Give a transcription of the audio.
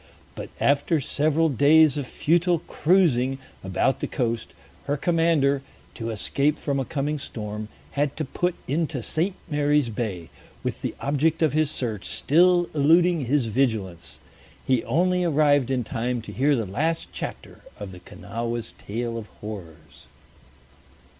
But after several days of futile cruising about the coast, her commander, to escape from a coming storm, had to put into St. Mary's Bay, with the object of his search still eluding his vigilance. He only arrived in time to hear the last chapter of the Kanawha's tale of horrors.